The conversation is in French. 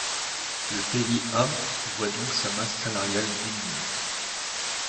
Le pays A voit donc sa masse salariale diminuer.